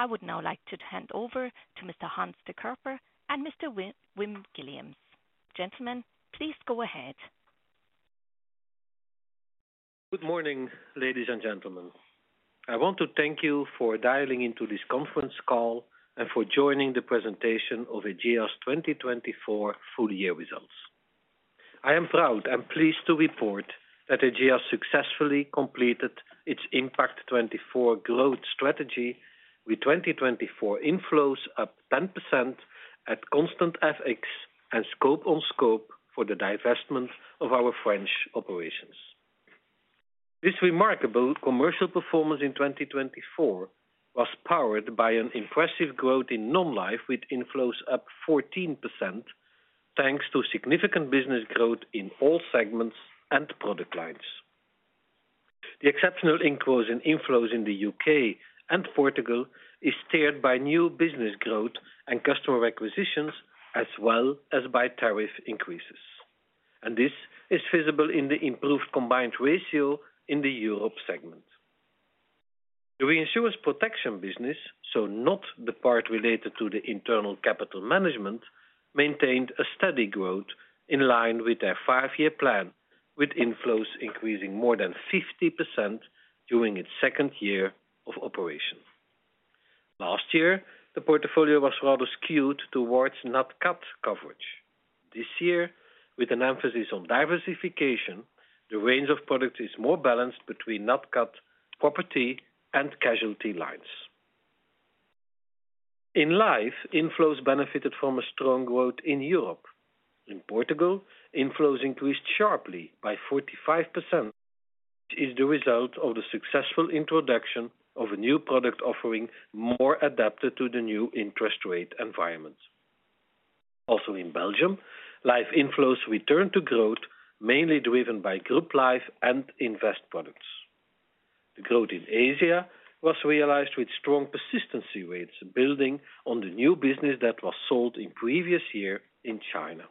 I would now like to hand over to Mr. Hans De Cuyper and Mr. Wim Guilliams. Gentlemen, please go ahead. Good morning, ladies and gentlemen. I want to thank you for dialing into this conference call and for joining the presentation of Ageas 2024 full year results. I am proud and pleased to report that Ageas successfully completed its Impact24 growth strategy with 2024 inflows up 10% at constant FX and scope on scope for the divestment of our French operations. This remarkable commercial performance in 2024 was powered by an impressive growth in non-life with inflows up 14%, thanks to significant business growth in all segments and product lines. The exceptional inquiries and inflows in the UK and Portugal are steered by new business growth and customer acquisitions, as well as by tariff increases, and this is visible in the improved combined ratio in the Europe segment. The reinsurance protection business, so not the part related to the internal capital management, maintained a steady growth in line with their five-year plan, with inflows increasing more than 50% during its second year of operation. Last year, the portfolio was rather skewed towards Nat Cat coverage. This year, with an emphasis on diversification, the range of products is more balanced between Nat Cat property and casualty lines. In Life, inflows benefited from a strong growth in Europe. In Portugal, inflows increased sharply by 45%, which is the result of the successful introduction of a new product offering more adapted to the new interest rate environment. Also, in Belgium, Life inflows returned to growth, mainly driven by group life and invest products. The growth in Asia was realized with strong persistency rates, building on the new business that was sold in the previous year in China.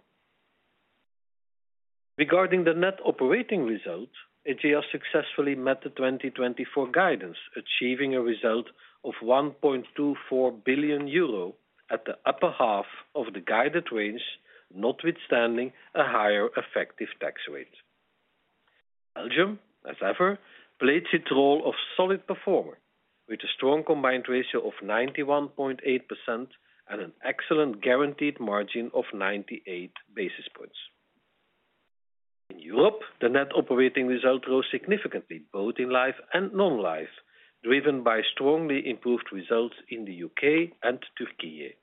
Regarding the net operating result, Ageas successfully met the 2024 guidance, achieving a result of 1.24 billion euro at the upper half of the guided range, notwithstanding a higher effective tax rate. Belgium, as ever, played its role of solid performer with a strong combined ratio of 91.8% and an excellent guaranteed margin of 98 basis points. In Europe, the net operating result rose significantly, both in Life and Non-Life, driven by strongly improved results in the UK and Türkiye.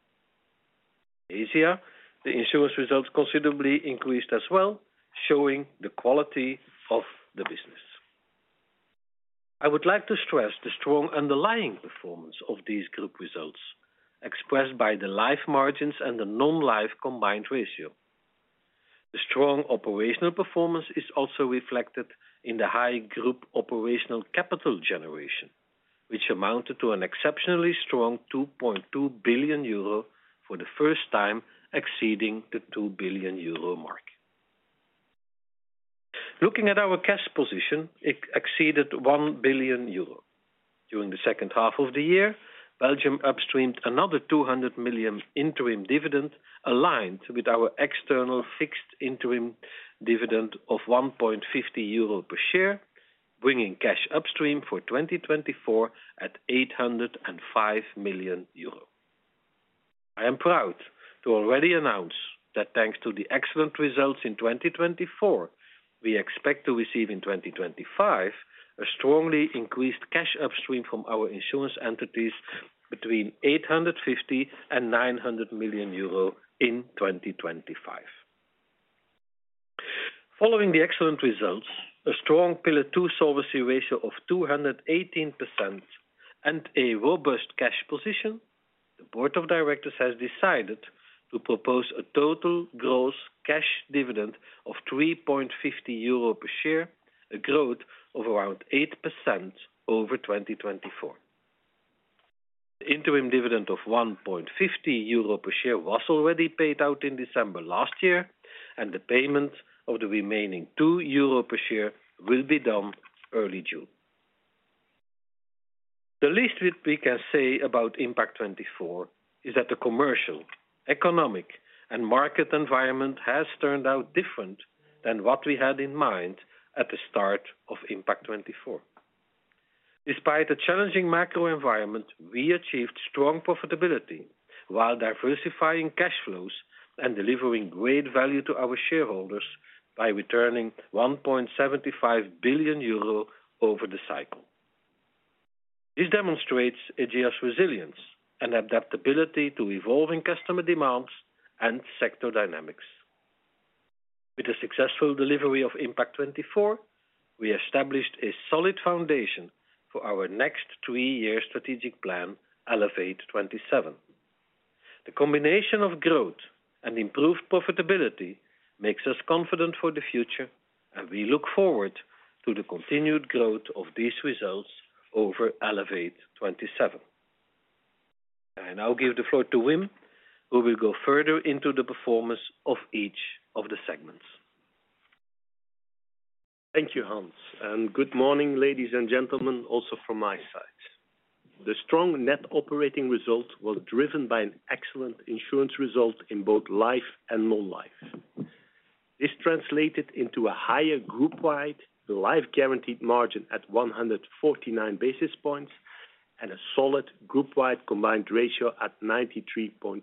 In Asia, the insurance results considerably increased as well, showing the quality of the business. I would like to stress the strong underlying performance of these group results, expressed by the Life margins and the Non-Life combined ratio. The strong operational performance is also reflected in the high group operational capital generation, which amounted to an exceptionally strong 2.2 billion euro for the first time, exceeding the 2 billion euro mark. Looking at our cash position, it exceeded 1 billion euro. During the second half of the year, Belgium upstreamed another 200 million interim dividend, aligned with our external fixed interim dividend of 1.50 euro per share, bringing cash upstream for 2024 at 805 million euro. I am proud to already announce that thanks to the excellent results in 2024, we expect to receive in 2025 a strongly increased cash upstream from our insurance entities between 850 and 900 million euro in 2025. Following the excellent results, a strong Pillar 2 Solvency Ratio of 218%, and a robust cash position, the Board of Directors has decided to propose a total gross cash dividend of 3.50 euro per share, a growth of around 8% over 2024. The interim dividend of 1.50 euro per share was already paid out in December last year, and the payment of the remaining 2 euro per share will be done early June. The least we can say about Impact24 is that the commercial, economic, and market environment has turned out different than what we had in mind at the start of Impact24. Despite a challenging macro environment, we achieved strong profitability while diversifying cash flows and delivering great value to our shareholders by returning 1.75 billion euro over the cycle. This demonstrates Ageas's resilience and adaptability to evolving customer demands and sector dynamics. With the successful delivery of Impact24, we established a solid foundation for our next three-year strategic plan, Elevate27. The combination of growth and improved profitability makes us confident for the future, and we look forward to the continued growth of these results over Elevate27. I now give the floor to Wim, who will go further into the performance of each of the segments. Thank you, Hans, and good morning, ladies and gentlemen, also from my side. The strong net operating result was driven by an excellent insurance result in both Life and Non-Life. This translated into a higher group-wide Life guaranteed margin at 149 basis points and a solid group-wide combined ratio at 93.3%.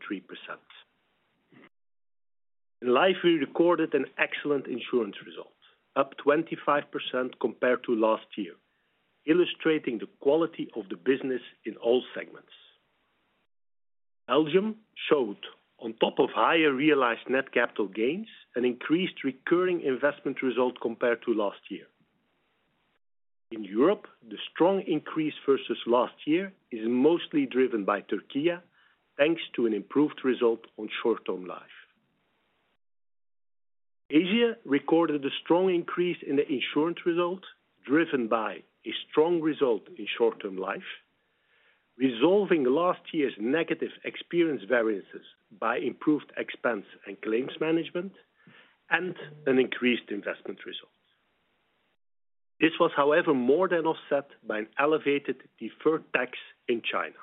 In Life, we recorded an excellent insurance result, up 25% compared to last year, illustrating the quality of the business in all segments. Belgium showed, on top of higher realized net capital gains, an increased recurring investment result compared to last year. In Europe, the strong increase versus last year is mostly driven by Türkiye, thanks to an improved result on short-term Life. Asia recorded a strong increase in the insurance result, driven by a strong result in short-term Life, resolving last year's negative experience variances by improved expense and claims management and an increased investment result. This was, however, more than offset by an elevated deferred tax in China.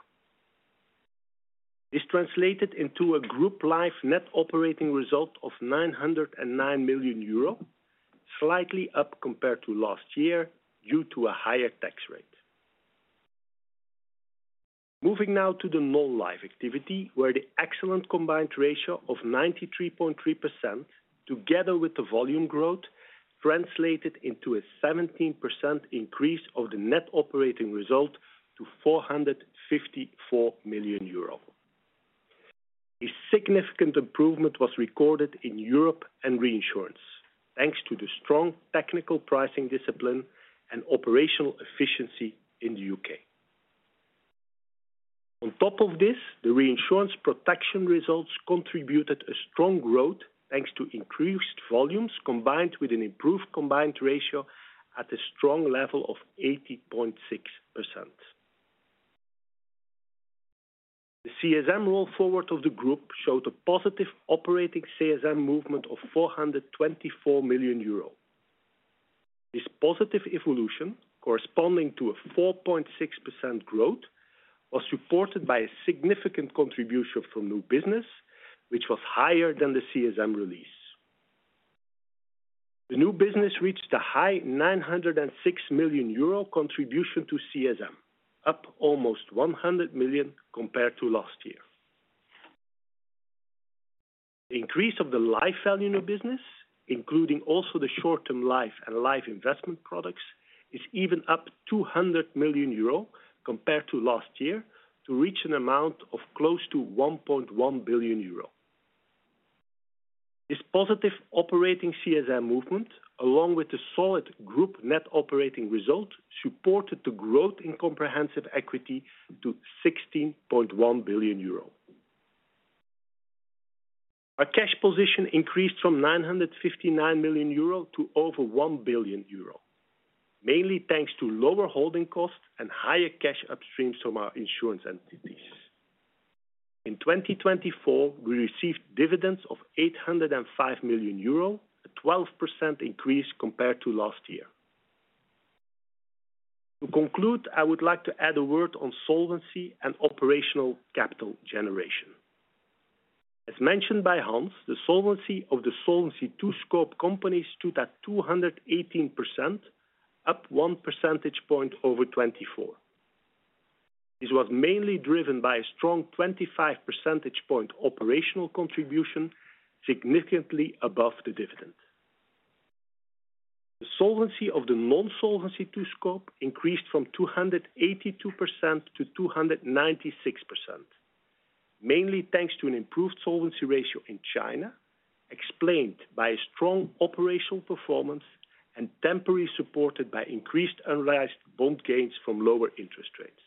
This translated into a group life net operating result of 909 million euro, slightly up compared to last year due to a higher tax rate. Moving now to the Non-Life activity, where the excellent combined ratio of 93.3%, together with the volume growth, translated into a 17% increase of the net operating result to 454 million euro. A significant improvement was recorded in Europe and reinsurance, thanks to the strong technical pricing discipline and operational efficiency in the UK. On top of this, the reinsurance protection results contributed a strong growth, thanks to increased volumes combined with an improved combined ratio at a strong level of 80.6%. The CSM roll forward of the group showed a positive operating CSM movement of 424 million euro. This positive evolution, corresponding to a 4.6% growth, was supported by a significant contribution from new business, which was higher than the CSM release. The new business reached a high 906 million euro contribution to CSM, up almost 100 million compared to last year. The increase of the Life value new business, including also the short-term Life and Life investment products, is even up 200 million euro compared to last year, to reach an amount of close to 1.1 billion euro. This positive operating CSM movement, along with the solid group net operating result, supported the growth in comprehensive equity to 16.1 billion euro. Our cash position increased from 959 million euro to over 1 billion euro, mainly thanks to lower holding costs and higher cash upstream from our insurance entities. In 2024, we received dividends of 805 million euro, a 12% increase compared to last year. To conclude, I would like to add a word on solvency and operational capital generation. As mentioned by Hans, the solvency of the Solvency II scope companies stood at 218%, up one percentage point over 2024. This was mainly driven by a strong 25 percentage point operational contribution, significantly above the dividend. The solvency of the non-Solvency II scope increased from 282% to 296%, mainly thanks to an improved solvency ratio in China, explained by a strong operational performance and temporarily supported by increased unrealized bond gains from lower interest rates.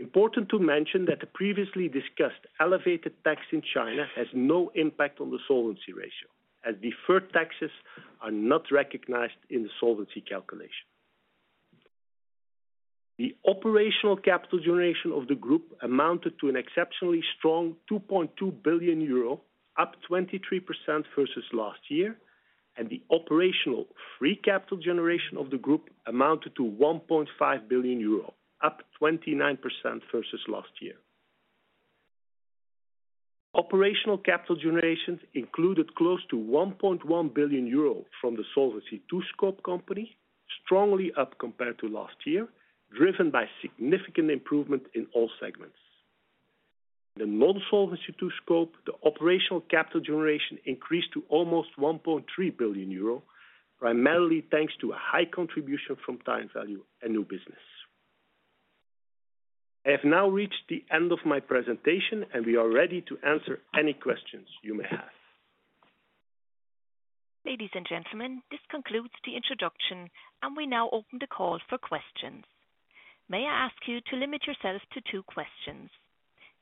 Important to mention that the previously discussed elevated tax in China has no impact on the solvency ratio, as deferred taxes are not recognized in the solvency calculation. The operational capital generation of the group amounted to an exceptionally strong 2.2 billion euro, up 23% versus last year, and the operational free capital generation of the group amounted to 1.5 billion euro, up 29% versus last year. Operational capital generations included close to 1.1 billion euro from the Solvency II scope company, strongly up compared to last year, driven by significant improvement in all segments. In the non-Solvency II scope, the operational capital generation increased to almost 1.3 billion euro, primarily thanks to a high contribution from time value and new business. I have now reached the end of my presentation, and we are ready to answer any questions you may have. Ladies and gentlemen, this concludes the introduction, and we now open the call for questions. May I ask you to limit yourselves to two questions?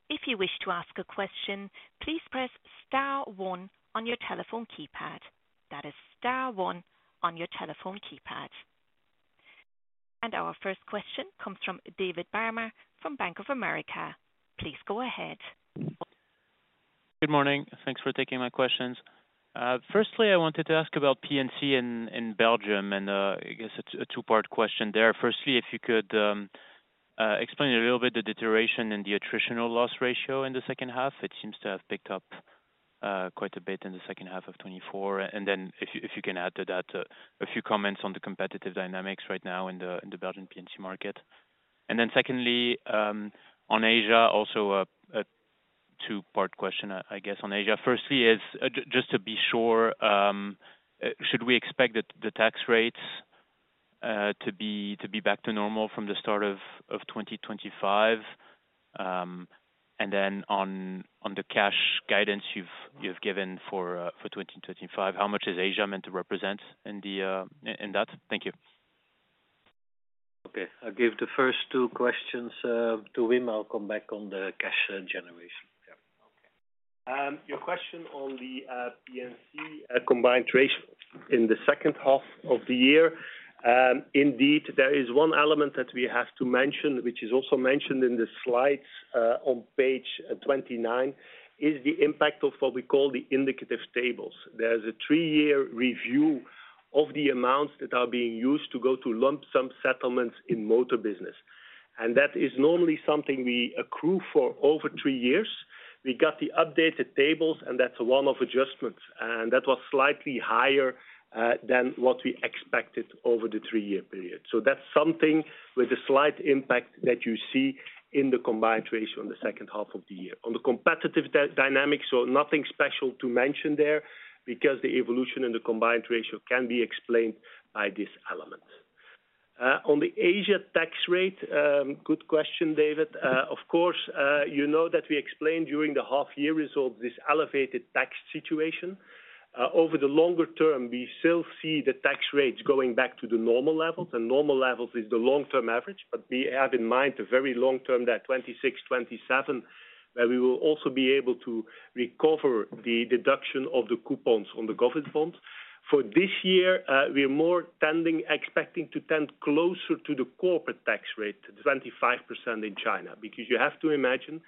If you wish to ask a question, please press star one on your telephone keypad. That is star one on your telephone keypad. And our first question comes from David Barma from Bank of America. Please go ahead. Good morning. Thanks for taking my questions. Firstly, I wanted to ask about P&C in Belgium, and I guess it's a two-part question there. Firstly, if you could explain a little bit the deterioration in the attritional loss ratio in the second half. It seems to have picked up quite a bit in the second half of 2024. And then if you can add to that a few comments on the competitive dynamics right now in the Belgian P&C market. And then secondly, on Asia, also a two-part question, I guess, on Asia. Firstly, just to be sure, should we expect the tax rates to be back to normal from the start of 2025? And then on the cash guidance you've given for 2025, how much is Asia meant to represent in that? Thank you. Okay. I'll give the first two questions to Wim. I'll come back on the cash generation. Your question on the P&C combined ratio in the second half of the year. Indeed, there is one element that we have to mention, which is also mentioned in the slides on page 29, is the impact of what we call the indicative tables. There's a three-year review of the amounts that are being used to go to lump sum settlements in motor business, and that is normally something we accrue for over three years. We got the updated tables, and that's one of adjustments, and that was slightly higher than what we expected over the three-year period, so that's something with a slight impact that you see in the combined ratio in the second half of the year. On the competitive dynamic, so nothing special to mention there because the evolution in the combined ratio can be explained by this element. On the Asia tax rate, good question, David. Of course, you know that we explained during the half-year results this elevated tax situation. Over the longer term, we still see the tax rates going back to the normal levels, and normal levels is the long-term average, but we have in mind the very long term, that 26%, 27%, where we will also be able to recover the deduction of the coupons on the government bonds. For this year, we're more tending, expecting to tend closer to the corporate tax rate, 25% in China, because you have to imagine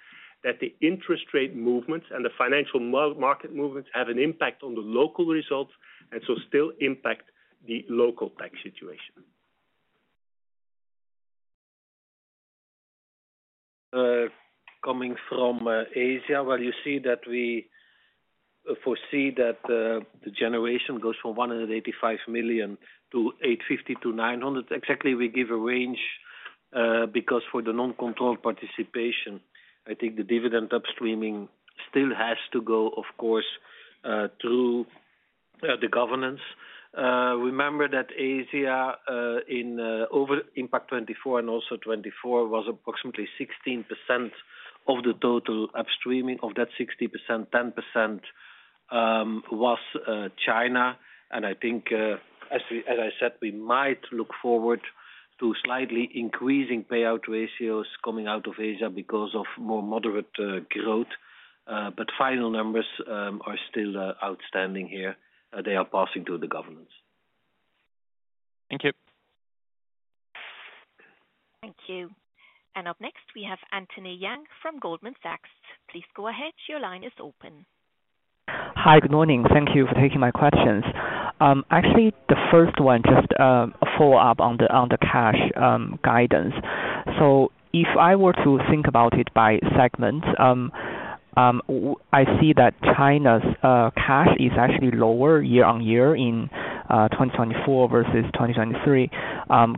that the interest rate movements and the financial market movements have an impact on the local results and so still impact the local tax situation. Coming from Asia, well, you see that we foresee that the generation goes from 185 million to 850 million -900 million. Exactly, we give a range because for the non-controlled participation, I think the dividend upstreaming still has to go, of course, through the governance. Remember that Asia in over Impact24 and also 2024 was approximately 16% of the total upstreaming. Of that 16%, 10% was China. And I think, as I said, we might look forward to slightly increasing payout ratios coming out of Asia because of more moderate growth. But final numbers are still outstanding here. They are passing through the governance. Thank you. Thank you. Up next, we have Anthony Yang from Goldman Sachs. Please go ahead. Your line is open. Hi, good morning. Thank you for taking my questions. Actually, the first one, just a follow-up on the cash guidance. So if I were to think about it by segments, I see that China's cash is actually lower year on year in 2024 versus 2023.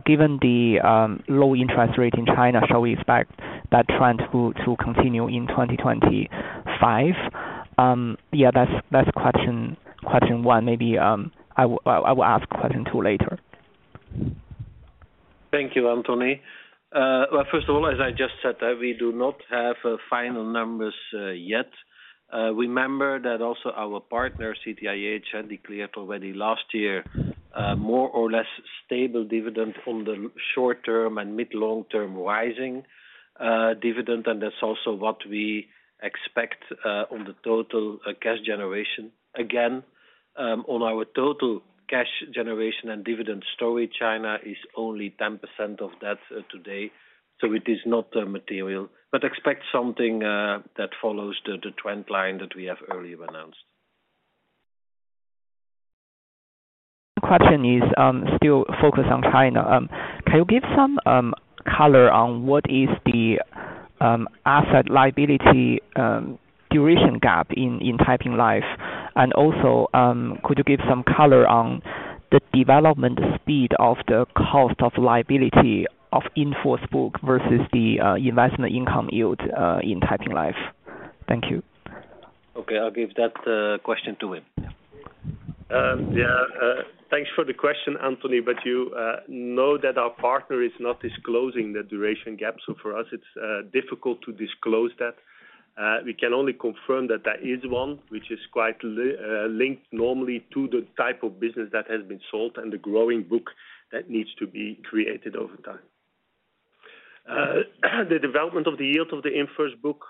Given the low interest rate in China, shall we expect that trend to continue in 2025? Yeah, that's question one. Maybe I will ask question two later. Thank you, Anthony. Well, first of all, as I just said, we do not have final numbers yet. Remember that also our partner, CTIH, had declared already last year more or less stable dividend on the short-term and mid-long-term rising dividend. And that's also what we expect on the total cash generation. Again, on our total cash generation and dividend story, China is only 10% of that today. So it is not material, but expect something that follows the trend line that we have earlier announced. The question is still focused on China. Can you give some color on what is the asset liability duration gap in Taiping Life? And also, could you give some color on the development speed of the cost of liability of in-force book versus the investment income yield in Taiping Life? Thank you. Okay. I'll give that question to Wim. Yeah. Thanks for the question, Anthony. But you know that our partner is not disclosing the duration gap. So for us, it's difficult to disclose that. We can only confirm that there is one, which is quite linked normally to the type of business that has been sold and the growing book that needs to be created over time. The development of the yield of the in-force book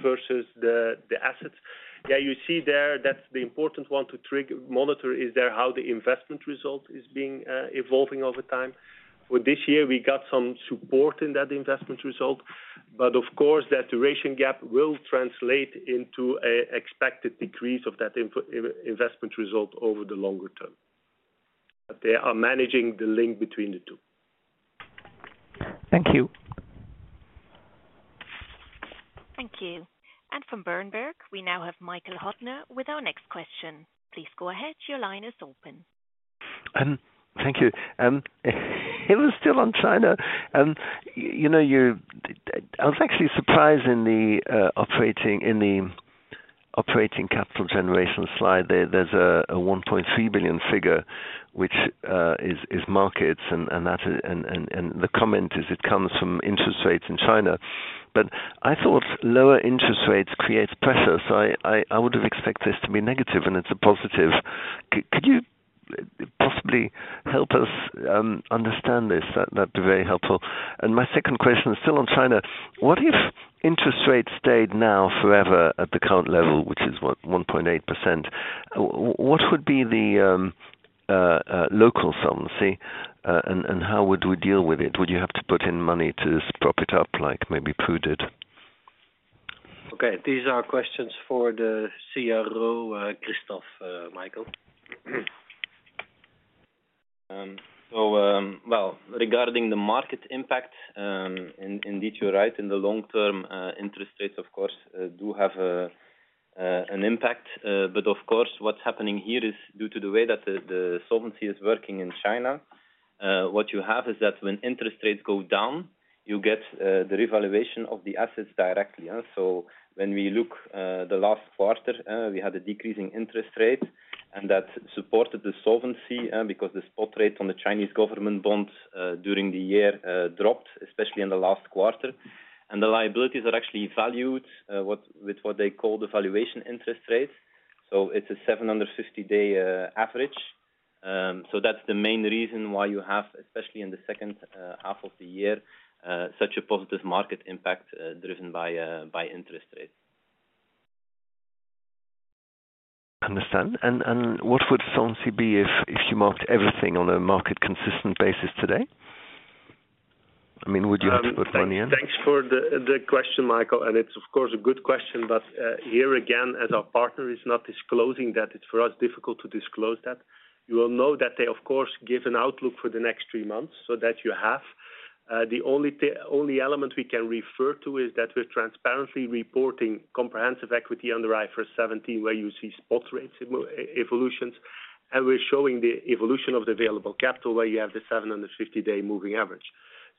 versus the assets, yeah, you see there that's the important one to monitor is there how the investment result is evolving over time. For this year, we got some support in that investment result. But of course, that duration gap will translate into an expected decrease of that investment result over the longer term. But they are managing the link between the two. Thank you. Thank you. And from Berenberg, we now have Michael Huttner with our next question. Please go ahead. Your line is open. Thank you. It was still on China. I was actually surprised in the operating capital generation slide. There's a 1.3 billion figure, which is markets. And the comment is it comes from interest rates in China. But I thought lower interest rates create pressure. So I would have expected this to be negative, and it's a positive. Could you possibly help us understand this? That'd be very helpful. And my second question is still on China. What if interest rates stayed now forever at the current level, which is what, 1.8%? What would be the local solvency? And how would we deal with it? Would you have to put in money to prop it up like maybe Prudential? Okay. These are questions for the CRO, Christophe, Michael. Regarding the market impact, indeed, you're right. In the long term, interest rates, of course, do have an impact. But of course, what's happening here is due to the way that the solvency is working in China. What you have is that when interest rates go down, you get the revaluation of the assets directly. So when we look the last quarter, we had a decreasing interest rate, and that supported the solvency because the spot rate on the Chinese government bonds during the year dropped, especially in the last quarter. The liabilities are actually valued with what they call the valuation interest rate. So it's a 750-day average. That's the main reason why you have, especially in the second half of the year, such a positive market impact driven by interest rates. Understood. And what would solvency be if you marked everything on a market-consistent basis today? I mean, would you have to put money in? Thanks for the question, Michael. And it's, of course, a good question. But here again, as our partner is not disclosing that, it's for us difficult to disclose that. You will know that they, of course, give an outlook for the next three months so that you have. The only element we can refer to is that we're transparently reporting comprehensive equity under IFRS 17, where you see spot rates evolutions. And we're showing the evolution of the available capital where you have the 750-day moving average.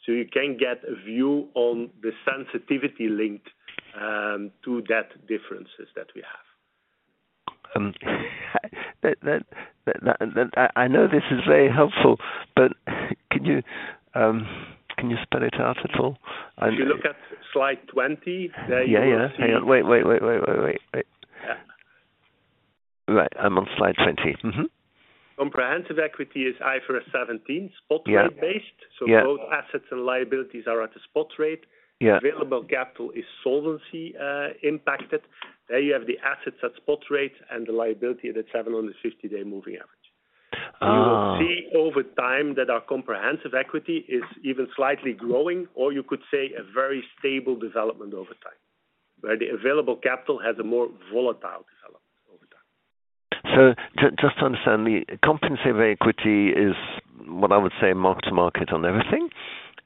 So you can get a view on the sensitivity linked to that differences that we have. I know this is very helpful, but can you spell it out at all? If you look at slide 20, there you go. Yeah. Wait. Right. I'm on slide 20. Comprehensive equity is IFRS 17, spot rate-based. So both assets and liabilities are at a spot rate. Available capital is solvency impacted. There you have the assets at spot rate and the liability at a 750-day moving average. You will see over time that our comprehensive equity is even slightly growing, or you could say a very stable development over time, where the available capital has a more volatile development over time. So just to understand, the comprehensive equity is what I would say mark to market on everything.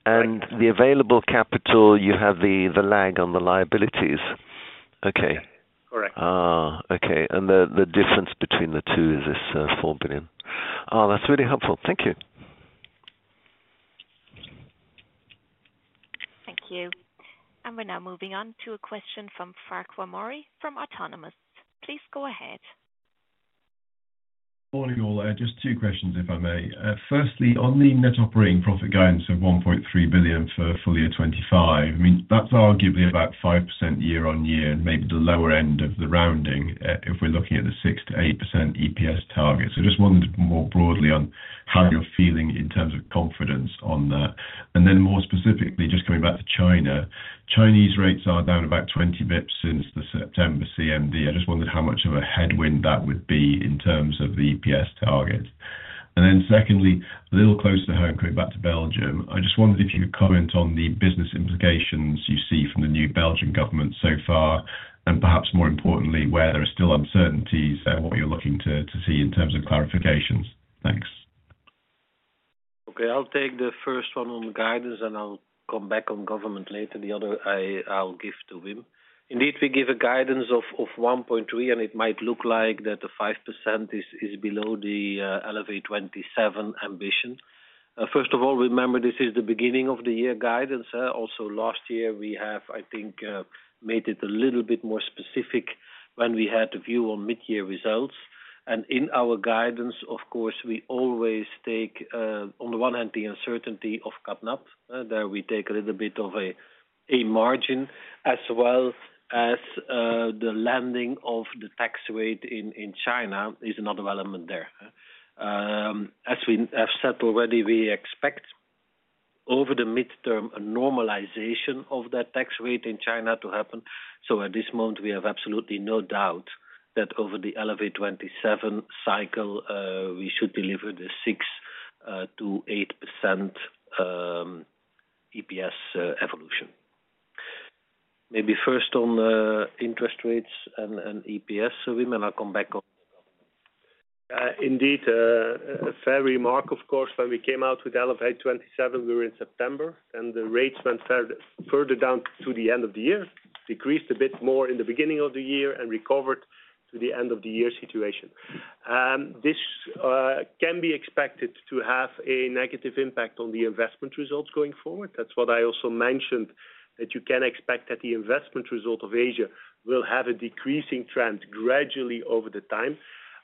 And the available capital, you have the lag on the liabilities. Okay. Correct. Okay. And the difference between the two is this 4 billion. Oh, that's really helpful. Thank you. Thank you, and we're now moving on to a question from Farquhar Murray from Autonomous. Please go ahead. Good morning, all. Just two questions, if I may. Firstly, on the net operating profit guidance of 1.3 billion for full year 2025, I mean, that's arguably about 5% year on year, maybe the lower end of the rounding if we're looking at the 6%-8% EPS target. So I just wondered more broadly on how you're feeling in terms of confidence on that, and then more specifically, just coming back to China, Chinese rates are down about 20 basis points since the September CMD. I just wondered how much of a headwind that would be in terms of the EPS target. Secondly, a little closer to home, coming back to Belgium, I just wondered if you could comment on the business implications you see from the new Belgian government so far, and perhaps more importantly, where there are still uncertainties and what you're looking to see in terms of clarifications? Thanks. Okay. I'll take the first one on guidance, and I'll come back on government later. The other I'll give to Wim. Indeed, we give a guidance of 1.3, and it might look like that the 5% is below the Elevate27 ambition. First of all, remember, this is the beginning of the year guidance. Also, last year, we have, I think, made it a little bit more specific when we had a view on mid-year results. In our guidance, of course, we always take, on the one hand, the uncertainty of CatNat. There we take a little bit of a margin, as well as the landing of the tax rate in China is another element there. As we have said already, we expect over the midterm a normalization of that tax rate in China to happen. So at this moment, we have absolutely no doubt that over the Elevate27 cycle, we should deliver the 6%-8% EPS evolution. Maybe first on interest rates and EPS, so Wim and I'll come back on the guidance. Indeed, a fair remark. Of course, when we came out with Elevate27, we were in September, and the rates went further down to the end of the year, decreased a bit more in the beginning of the year, and recovered to the end of the year situation. This can be expected to have a negative impact on the investment results going forward. That's what I also mentioned, that you can expect that the investment result of Asia will have a decreasing trend gradually over the time.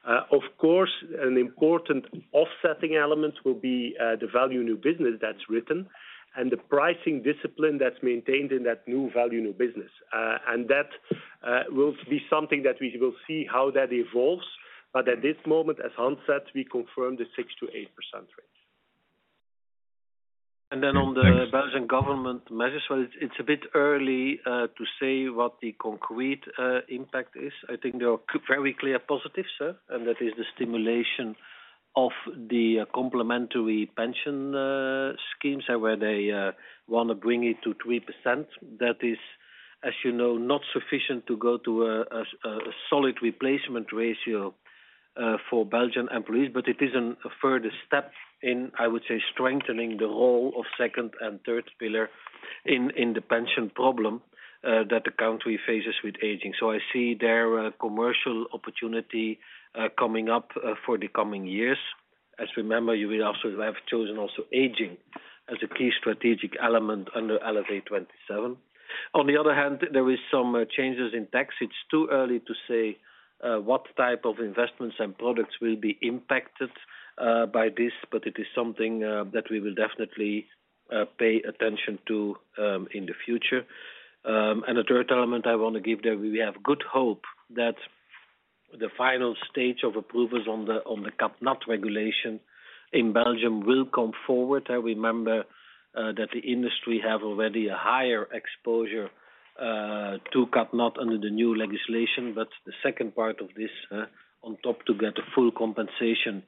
Of course, an important offsetting element will be the value new business that's written and the pricing discipline that's maintained in that new value new business. And that will be something that we will see how that evolves. But at this moment, as Hans said, we confirm the 6%-8% range. And then on the Belgian government measures, well, it's a bit early to say what the concrete impact is. I think there are very clear positives, sir, and that is the stimulation of the complementary pension schemes where they want to bring it to 3%. That is, as you know, not sufficient to go to a solid replacement ratio for Belgian employees, but it is a further step in, I would say, strengthening the role of second and third pillar in the pension problem that the country faces with aging. So I see their commercial opportunity coming up for the coming years. As you remember, we have chosen also AG Insurance as a key strategic element under Elevate27. On the other hand, there are some changes in tax. It's too early to say what type of investments and products will be impacted by this, but it is something that we will definitely pay attention to in the future, and a third element I want to give there, we have good hope that the final stage of approvals on the CatNat regulation in Belgium will come forward. I remember that the industry has already a higher exposure to CatNat under the new legislation, but the second part of this on top to get a full compensation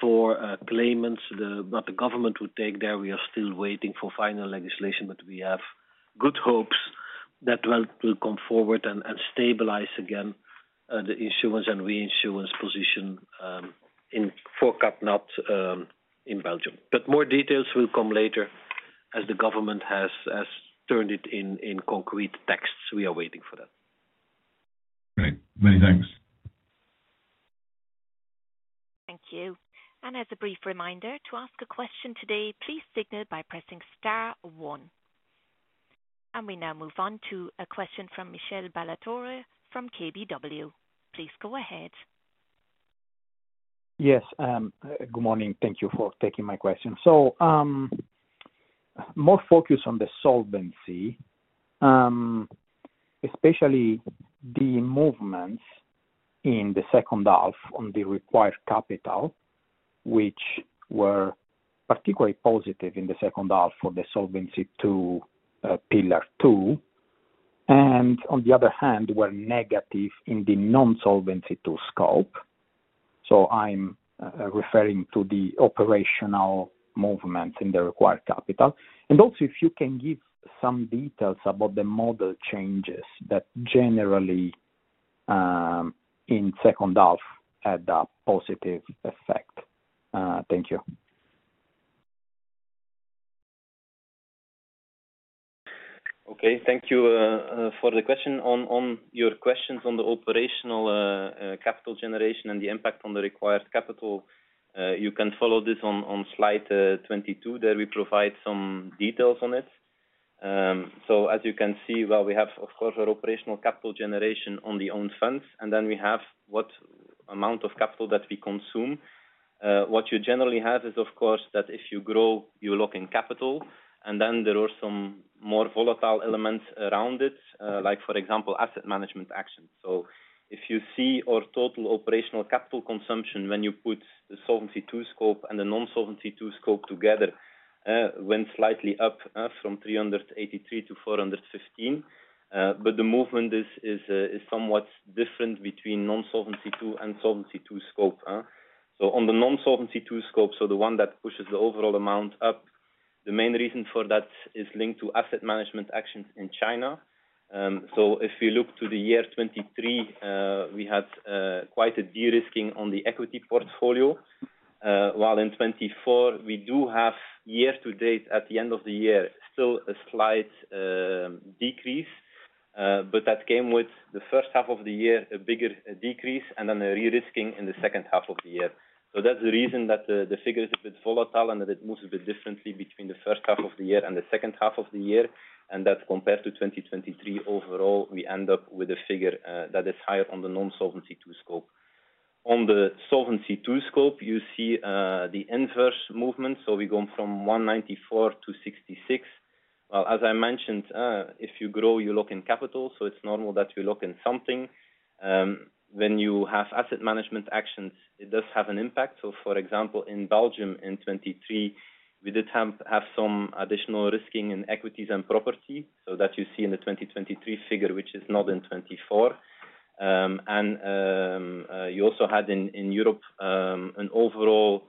for claimants, what the government would take there, we are still waiting for final legislation, but we have good hopes that will come forward and stabilize again the insurance and reinsurance position for CatNat in Belgium, but more details will come later as the government has turned it in concrete texts. We are waiting for that. Great. Many thanks. Thank you. And as a brief reminder, to ask a question today, please signal by pressing star one. And we now move on to a question from Michele Ballatore from KBW. Please go ahead. Yes. Good morning. Thank you for taking my question. So more focus on the solvency, especially the movements in the second half on the required capital, which were particularly positive in the second half for the Solvency II Pillar II, and on the other hand, were negative in the non-Solvency II scope. So I'm referring to the operational movements in the required capital. And also, if you can give some details about the model changes that generally in second half had a positive effect. Thank you. Okay. Thank you for the question. On your questions on the operational capital generation and the impact on the required capital, you can follow this on slide 22. There we provide some details on it so as you can see, well, we have, of course, our operational capital generation on the own funds, and then we have what amount of capital that we consume. What you generally have is, of course, that if you grow, you lock in capital, and then there are some more volatile elements around it, like, for example, asset management actions so if you see our total operational capital consumption when you put the Solvency II scope and the non-Solvency II scope together, went slightly up from 383-415, but the movement is somewhat different between non-Solvency II and Solvency II scope. On the non-Solvency II scope, so the one that pushes the overall amount up, the main reason for that is linked to asset management actions in China. So if we look to the year 2023, we had quite a de-risking on the equity portfolio. While in 2024, we do have year to date at the end of the year, still a slight decrease, but that came with the first half of the year, a bigger decrease, and then a re-risking in the second half of the year. So that's the reason that the figure is a bit volatile and that it moves a bit differently between the first half of the year and the second half of the year. And that compared to 2023, overall, we end up with a figure that is higher on the non-Solvency II scope. On the Solvency II scope, you see the inverse movement. So we go from 194 to 66. Well, as I mentioned, if you grow, you lock in capital. So it's normal that you lock in something. When you have asset management actions, it does have an impact. So, for example, in Belgium in 2023, we did have some additional risking in equities and property. So that you see in the 2023 figure, which is not in 2024. And you also had in Europe an overall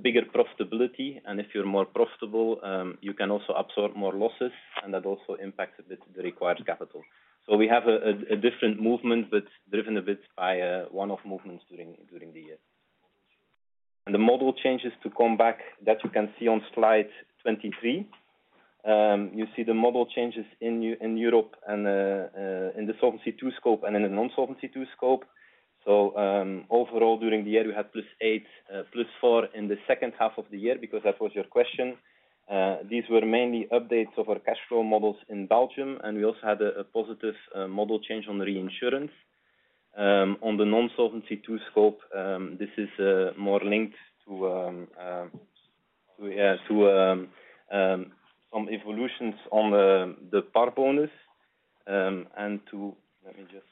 bigger profitability. And if you're more profitable, you can also absorb more losses, and that also impacts a bit the required capital. So we have a different movement, but driven a bit by one of movements during the year. And the model changes to come back that you can see on slide 23. You see the model changes in Europe and in the Solvency II scope and in the non-Solvency II scope. Overall, during the year, we had plus eight, plus four in the second half of the year because that was your question. These were mainly updates of our cash flow models in Belgium. And we also had a positive model change on reinsurance. On the non-Solvency II scope, this is more linked to some evolutions on the par bonus. And let me just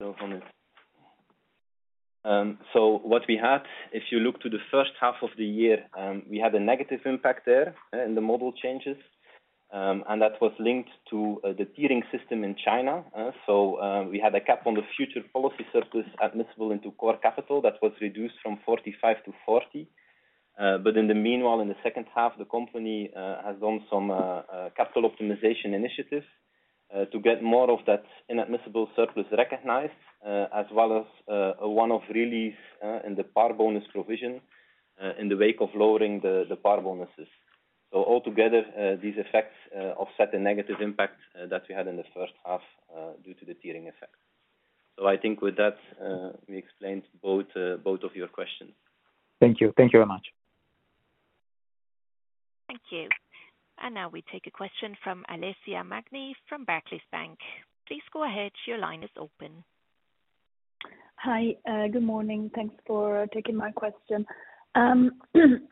show what we had. If you look to the first half of the year, we had a negative impact there in the model changes. And that was linked to the tiering system in China. So we had a cap on the future policy surplus admissible into core capital that was reduced from 45 to 40. But in the meanwhile, in the second half, the company has done some capital optimization initiatives to get more of that inadmissible surplus recognized, as well as one of release in the par bonus provision in the wake of lowering the par bonuses. So altogether, these effects offset the negative impact that we had in the first half due to the tiering effect. So I think with that, we explained both of your questions. Thank you. Thank you very much. Thank you. And now we take a question from Alessia Magni from Barclays Bank. Please go ahead. Your line is open. Hi. Good morning. Thanks for taking my question. I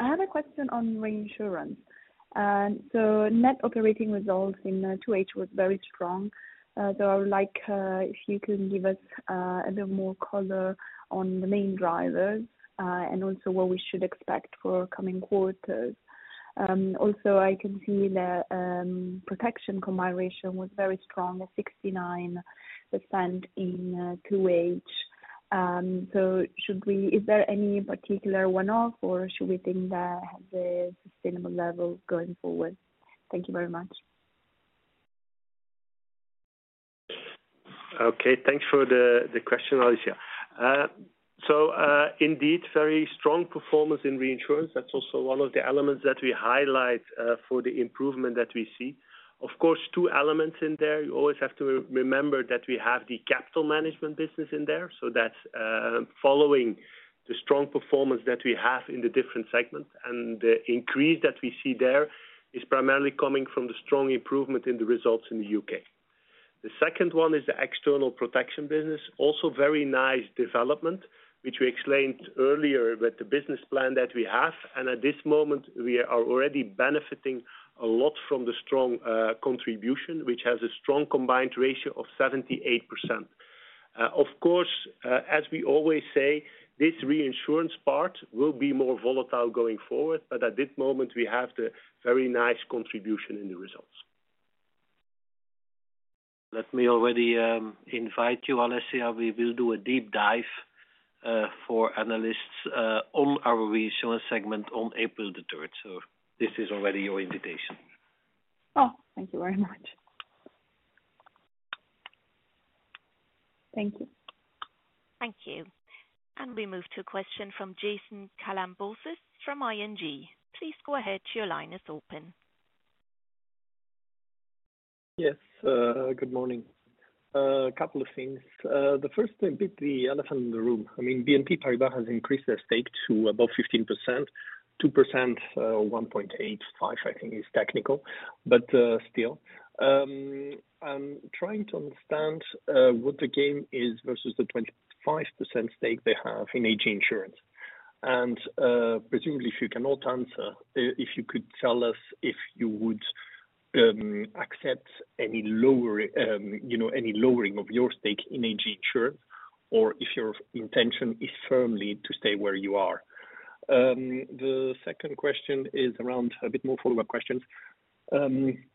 have a question on reinsurance. So net operating results in 2H was very strong. So I would like if you can give us a bit more color on the main drivers and also what we should expect for coming quarters. Also, I can see that protection combined ratio was very strong, 69% in 2H. So is there any particular one-off, or should we think that has a sustainable level going forward? Thank you very much. Okay. Thanks for the question, Alessia. So indeed, very strong performance in reinsurance. That's also one of the elements that we highlight for the improvement that we see. Of course, two elements in there. You always have to remember that we have the capital management business in there. So that's following the strong performance that we have in the different segments. And the increase that we see there is primarily coming from the strong improvement in the results in the UK. The second one is the external protection business. Also very nice development, which we explained earlier with the business plan that we have. And at this moment, we are already benefiting a lot from the strong contribution, which has a strong combined ratio of 78%. Of course, as we always say, this reinsurance part will be more volatile going forward, but at this moment, we have the very nice contribution in the results. Let me already invite you, Alessia. We will do a deep dive for analysts on our reinsurance segment on April the third. So this is already your invitation. Oh, thank you very much. Thank you. Thank you, and we move to a question from Jason Kalamboussis from ING. Please go ahead. Your line is open. Yes. Good morning. A couple of things. The first thing, a bit the elephant in the room. I mean, BNP Paribas has increased their stake to above 15%. 2% or 1.85%, I think, is technical, but still. I'm trying to understand what the game is versus the 25% stake they have in AG Insurance. And presumably, if you cannot answer, if you could tell us if you would accept any lowering of your stake in [AG Insurance] or if your intention is firmly to stay where you are. The second question is around a bit more follow-up questions.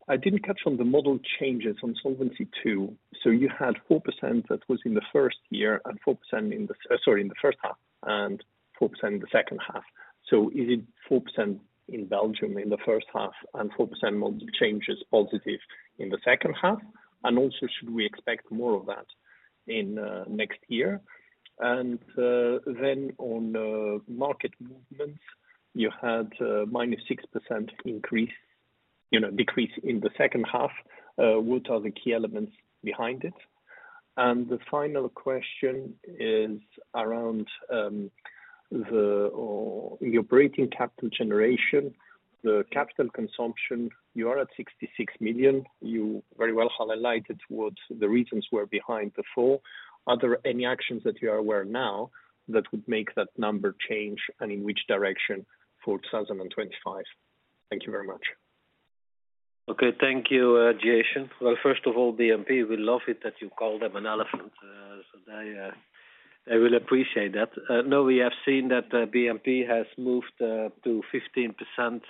I didn't catch on the model changes on Solvency II. So you had 4% that was in the first year and 4% in the first half and 4% in the second half. So is it 4% in Belgium in the first half and 4% model changes positive in the second half? And also, should we expect more of that in next year? And then on market movements, you had minus 6% increase, decrease in the second half. What are the key elements behind it? And the final question is around the operating capital generation, the capital consumption. You are at 66 million. You very well highlighted what the reasons were behind the four. Are there any actions that you are aware now that would make that number change and in which direction for 2025? Thank you very much. Okay. Thank you, Jason. Well, first of all, BNP, we love it that you called them an elephant. So they will appreciate that. No, we have seen that BNP has moved to 15%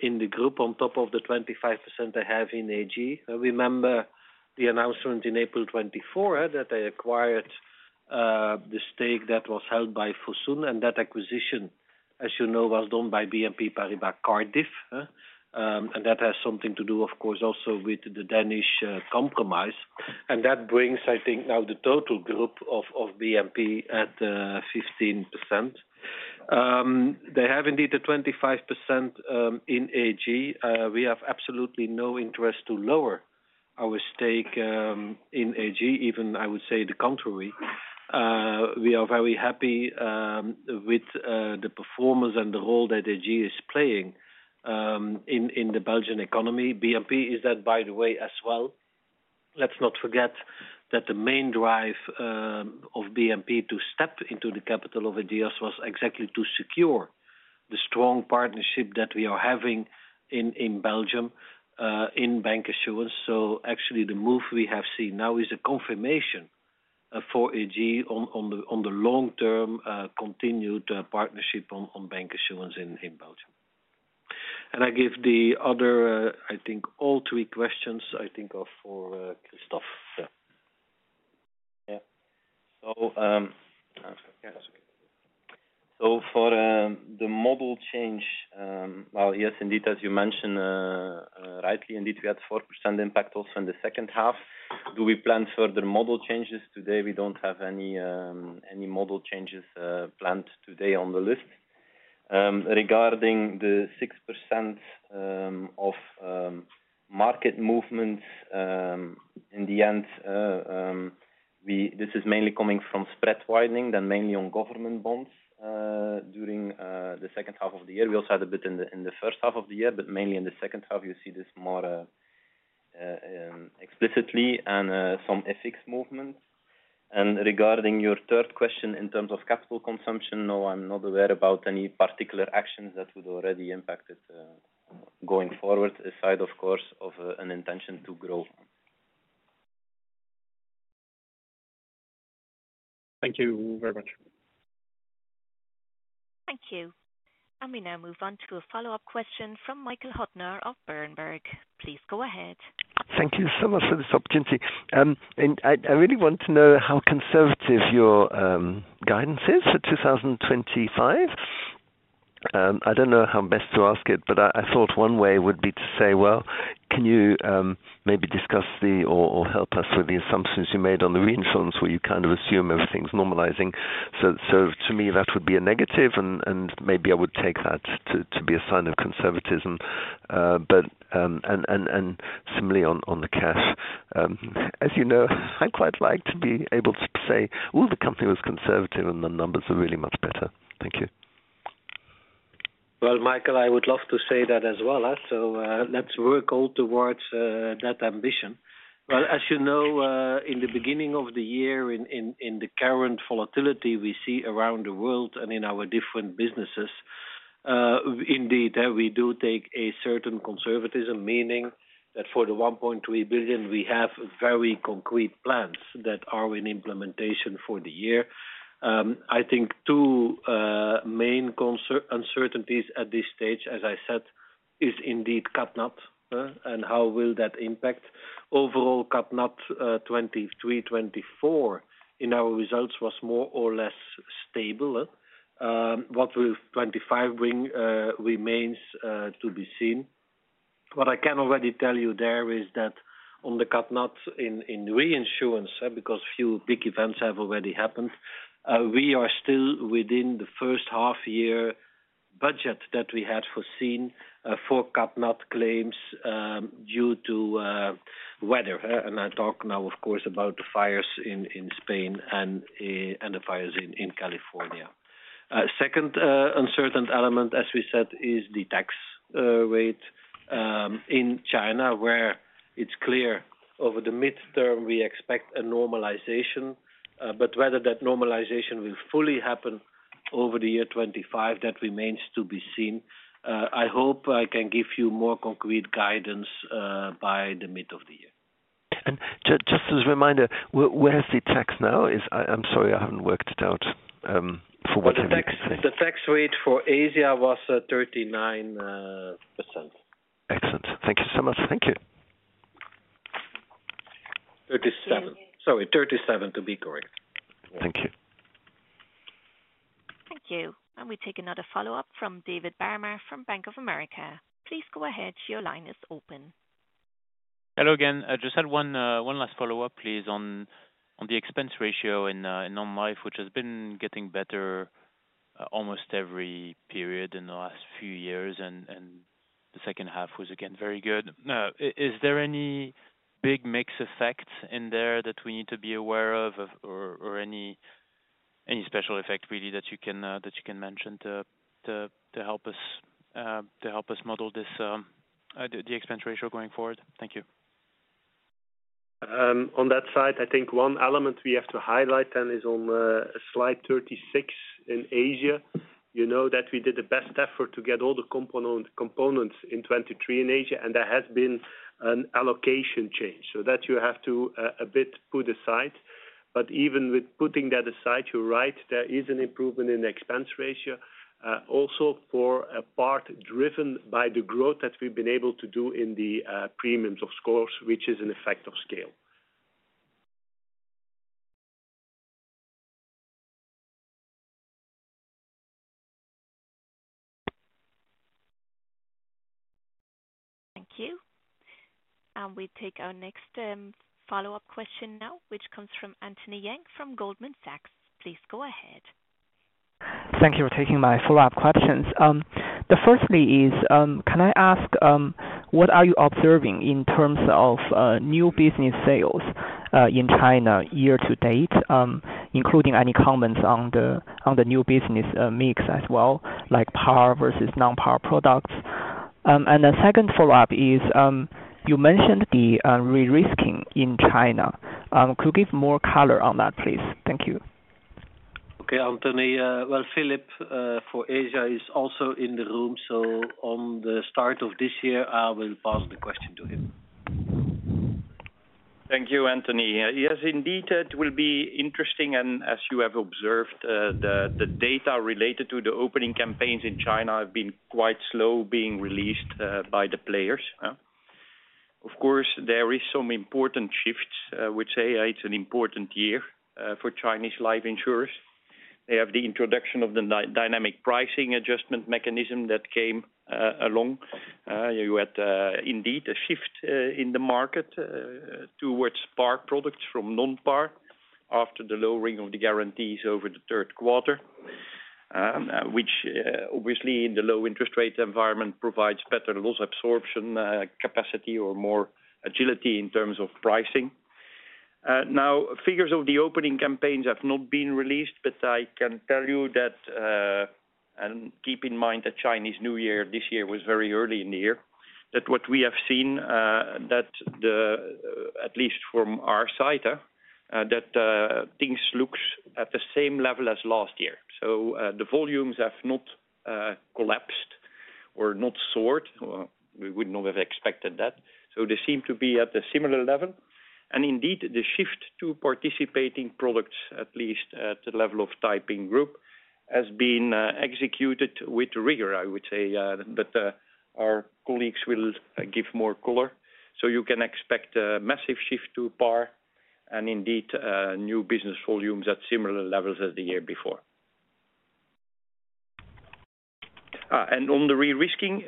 in the group on top of the 25% they have in AG. I remember the announcement in April 2024 that they acquired the stake that was held by Fosun. And that acquisition, as you know, was done by BNP Paribas Cardif. And that has something to do, of course, also with the Danish Compromise. And that brings, I think, now the total group of BNP at 15%. They have indeed the 25% in AG. We have absolutely no interest to lower our stake in AG, even I would say the contrary. We are very happy with the performance and the role that AG is playing in the Belgian economy. BNP is that, by the way, as well. Let's not forget that the main drive of BNP to step into the capital over the years was exactly to secure the strong partnership that we are having in Belgium in bancassurance. So actually, the move we have seen now is a confirmation for Ageas on the long-term continued partnership on bancassurance in Belgium. And I give the other, I think, all three questions, I think, for Christophe. Yeah. So for the model change, well, yes, indeed, as you mentioned rightly, indeed, we had 4% impact also in the second half. Do we plan further model changes? Today, we don't have any model changes planned today on the list. Regarding the 6% of market movements, in the end, this is mainly coming from spread widening, then mainly on government bonds during the second half of the year. We also had a bit in the first half of the year, but mainly in the second half, you see this more explicitly and some FX movements, and regarding your third question in terms of capital consumption, no, I'm not aware about any particular actions that would already impact it going forward aside, of course, of an intention to grow. Thank you very much. Thank you. We now move on to a follow-up question from Michael Huttner of Berenberg. Please go ahead. Thank you so much for this opportunity. I really want to know how conservative your guidance is for 2025. I don't know how best to ask it, but I thought one way would be to say, well, can you maybe discuss or help us with the assumptions you made on the reinsurance where you kind of assume everything's normalizing? So to me, that would be a negative, and maybe I would take that to be a sign of conservatism, and similarly on the cash. As you know, I quite like to be able to say, oh, the company was conservative and the numbers are really much better. Thank you. Michael, I would love to say that as well. Let's work all towards that ambition. As you know, in the beginning of the year, in the current volatility we see around the world and in our different businesses, indeed, we do take a certain conservatism, meaning that for the 1.3 billion, we have very concrete plans that are in implementation for the year. I think two main uncertainties at this stage, as I said, is indeed CatNat. And how will that impact? Overall, CatNat 2023, 2024 in our results was more or less stable. What will 2025 bring remains to be seen. What I can already tell you there is that on the CatNat in reinsurance, because a few big events have already happened, we are still within the first half-year budget that we had foreseen for CatNat claims due to weather. I talk now, of course, about the fires in Spain and the fires in California. Second uncertain element, as we said, is the tax rate in China, where it's clear over the midterm we expect a normalization. But whether that normalization will fully happen over the year 2025, that remains to be seen. I hope I can give you more concrete guidance by the mid of the year. And just as a reminder, where is the tax now? I'm sorry, I haven't worked it out for whatever reason. The tax rate for Asia was 39%. Excellent. Thank you so much. Thank you. 37%. Sorry, 37% to be correct. Thank you. Thank you. And we take another follow-up from David Barma from Bank of America. Please go ahead. Your line is open. Hello again. Just had one last follow-up, please, on the expense ratio in non-life, which has been getting better almost every period in the last few years, and the second half was again very good. Is there any big mix effects in there that we need to be aware of, or any special effect really that you can mention to help us model the expense ratio going forward? Thank you. On that side, I think one element we have to highlight then is on slide 36 in Asia. You know that we did the best effort to get all the components in 2023 in Asia, and there has been an allocation change. So that you have to a bit put aside. But even with putting that aside, you're right, there is an improvement in the expense ratio. Also for a part driven by the growth that we've been able to do in the premiums, of course, which is an effect of scale. Thank you. And we take our next follow-up question now, which comes from Anthony Yang from Goldman Sachs. Please go ahead. Thank you for taking my follow-up questions. The first is, can I ask what are you observing in terms of new business sales in China year to date, including any comments on the new business mix as well, like par versus non-par products, and the second follow-up is, you mentioned the re-risking in China. Could you give more color on that, please? Thank you. Okay. Anthony, well, Filip for Asia is also in the room. So at the start of this year, I will pass the question to him. Thank you, Anthony. Yes, indeed, it will be interesting. And as you have observed, the data related to the opening campaigns in China have been quite slow being released by the players. Of course, there are some important shifts, which say it's an important year for Chinese life insurers. They have the introduction of the dynamic pricing adjustment mechanism that came along. You had indeed a shift in the market towards par products from non-par after the lowering of the guarantees over the third quarter, which obviously in the low interest rate environment provides better loss absorption capacity or more agility in terms of pricing. Now, figures of the opening campaigns have not been released, but I can tell you that, and keep in mind that Chinese New Year this year was very early in the year, that what we have seen, that at least from our side, that things look at the same level as last year. So the volumes have not collapsed or not soared. We wouldn't have expected that. They seem to be at a similar level. And indeed, the shift to participating products, at least at the level of Taiping Group, has been executed with rigor, I would say. But our colleagues will give more color. You can expect a massive shift to par and indeed new business volumes at similar levels as the year before. On the re-risking,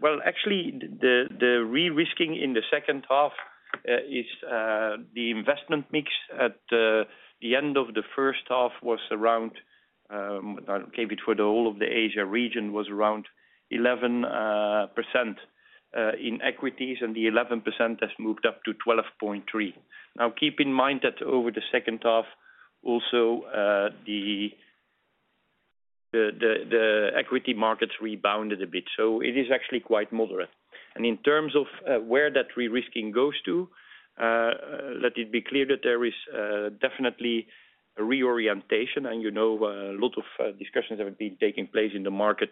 well, actually, the re-risking in the second half is the investment mix at the end of the first half was around. I gave it for the whole of the Asia region, was around 11% in equities, and the 11% has moved up to 12.3%. Now, keep in mind that over the second half, also the equity markets rebounded a bit. So it is actually quite moderate. In terms of where that re-risking goes to, let it be clear that there is definitely a reorientation. You know a lot of discussions have been taking place in the market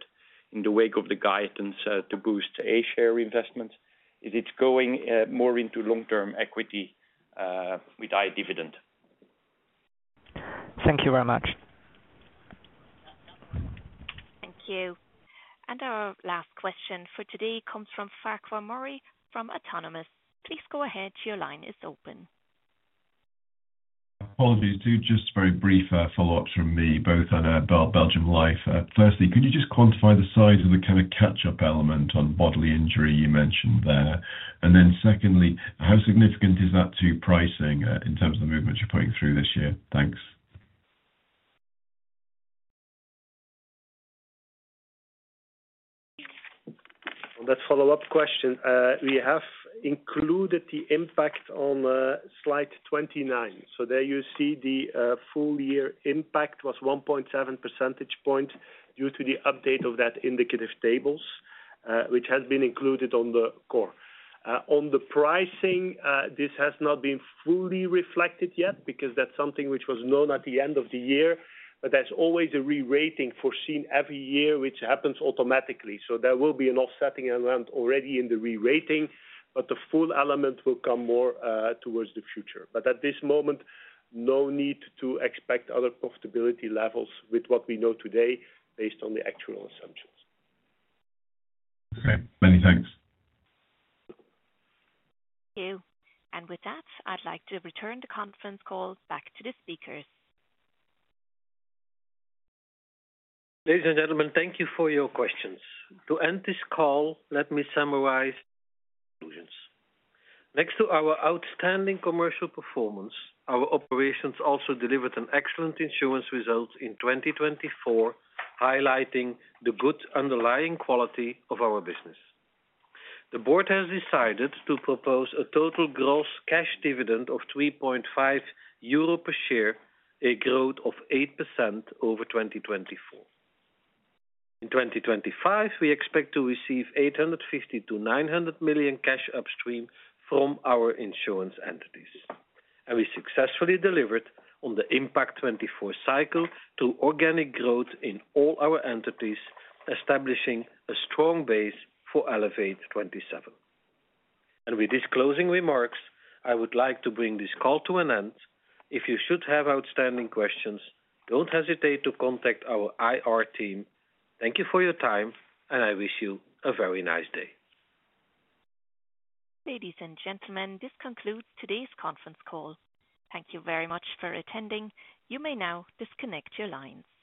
in the wake of the guidance to boost Asia investments. Is it going more into long-term equity without dividend? Thank you very much. Thank you. And our last question for today comes from Farquhar Murray from Autonomous. Please go ahead. Your line is open. Apologies, just very brief follow-ups from me, both on Belgium Life. Firstly, could you just quantify the size of the kind of catch-up element on bodily injury you mentioned there? And then secondly, how significant is that to pricing in terms of the movements you're putting through this year? Thanks. On that follow-up question, we have included the impact on slide 29. So there you see the full year impact was 1.7 percentage points due to the update of that indicative tables, which has been included on the core. On the pricing, this has not been fully reflected yet because that's something which was known at the end of the year. But there's always a re-rating foreseen every year, which happens automatically. So there will be an offsetting event already in the re-rating, but the full element will come more towards the future. But at this moment, no need to expect other profitability levels with what we know today based on the actual assumptions. Okay. Many thanks. Thank you. And with that, I'd like to return the conference call back to the speakers. Ladies and gentlemen, thank you for your questions. To end this call, let me summarize conclusions. Next to our outstanding commercial performance, our operations also delivered an excellent insurance result in 2024, highlighting the good underlying quality of our business. The board has decided to propose a total gross cash dividend of 3.5 euro per share, a growth of 8% over 2024. In 2025, we expect to receive 850 million-900 million cash upstream from our insurance entities. And we successfully delivered on the Impact24 cycle to organic growth in all our entities, establishing a strong base for Elevate27. And with these closing remarks, I would like to bring this call to an end. If you should have outstanding questions, don't hesitate to contact our IR team. Thank you for your time, and I wish you a very nice day. Ladies and gentlemen, this concludes today's conference call. Thank you very much for attending. You may now disconnect your lines.